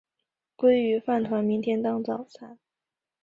鲑鱼饭团明天当早餐